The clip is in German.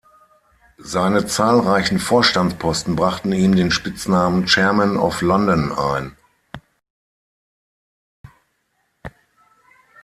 Seine zahlreichen Vorstandsposten brachten ihm den Spitznamen „Chairman of London“ ein.